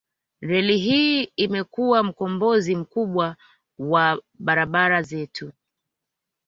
Reli hii imekuwa mkombozi mkubwa wa barabara zetu